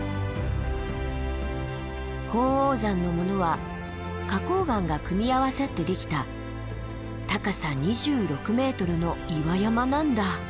鳳凰山のものは花崗岩が組み合わさってできた高さ２６ｍの岩山なんだ。